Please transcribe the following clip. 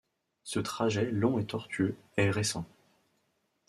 Ce trajet long et tortueux est récent.